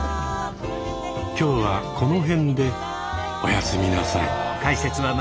今日はこの辺でおやすみなさい。